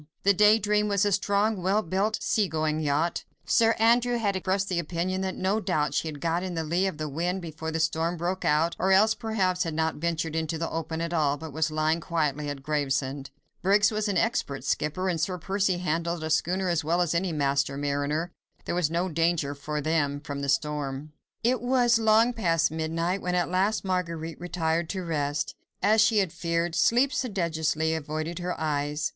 The Day Dream was a strong, well built, sea going yacht. Sir Andrew had expressed the opinion that no doubt she had got in the lee of the wind before the storm broke out, or else perhaps had not ventured into the open at all, but was lying quietly at Gravesend. Briggs was an expert skipper, and Sir Percy handled a schooner as well as any master mariner. There was no danger for them from the storm. It was long past midnight when at last Marguerite retired to rest. As she had feared, sleep sedulously avoided her eyes.